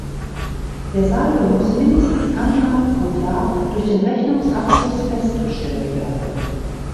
Der Saldo muss mindestens einmal pro Jahr durch den Rechnungsabschluss festgestellt werden.